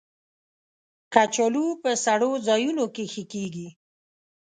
کچالو په سړو ځایونو کې ښه کېږي